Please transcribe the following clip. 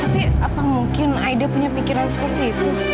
tapi apa mungkin aida punya pikiran seperti itu